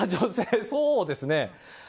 そうですね。